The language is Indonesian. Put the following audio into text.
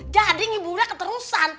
jadi ngibulnya keterusan